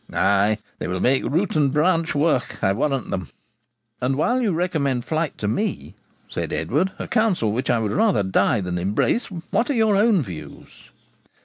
Ay, they will make root and branch work, I warrant them.' 'And while you recommend flight to me,' said Edward, 'a counsel which I would rather die than embrace, what are your own views?'